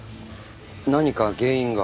何か原因が？